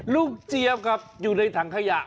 เจี๊ยบครับอยู่ในถังขยะ